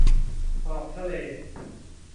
ออกทะเล